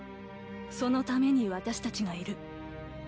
そのために私たちがいる。